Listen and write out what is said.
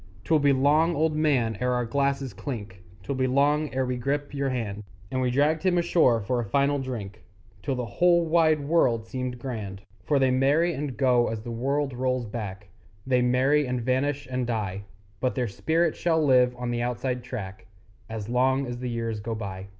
'Twill be long, old man, ere our glasses clink, 'Twill be long ere we grip your hand! And we dragged him ashore for a final drink Till the whole wide world seemed grand. For they marry and go as the world rolls back, They marry and vanish and die; But their spirit shall live on the Outside Track As long as the years go by.